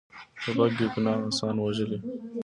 توپک بیګناه کسان وژلي.